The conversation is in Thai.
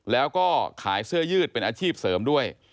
แล้วก็ขายเสื้อยืดเป็นอาชีพเสริมด้วย